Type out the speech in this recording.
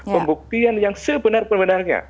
pembukaan yang sebenar benarnya